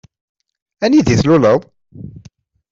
Anida i tluleḍ?